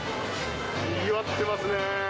にぎわってますねー。